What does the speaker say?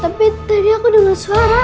tapi tadi aku dengar suara